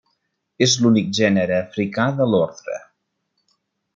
És l'únic gènere africà de l'ordre.